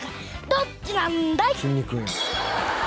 どっちなんだい！？